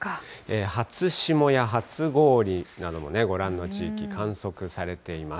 初霜や初氷などもね、ご覧の地域、観測されています。